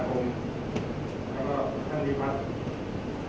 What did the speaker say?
อยู่ใน๑๕๐คน